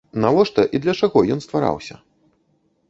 Навошта і для чаго ён ствараўся?